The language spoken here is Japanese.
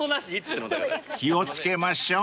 ［気を付けましょう］